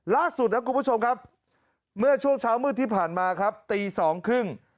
ล่าสุดนะคุณผู้ชมครับเมื่อช่วงเช้ามืดที่ผ่านมาครับตีสองครึ่ง